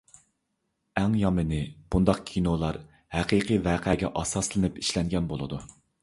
ئەڭ يامىنى، بۇنداق كىنولار ھەقىقىي ۋەقەگە ئاساسلىنىپ ئىشلەنگەن بولىدۇ.